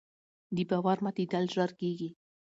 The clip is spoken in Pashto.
د باور ماتېدل ژر کېږي